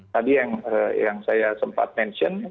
tadi yang saya sempat mention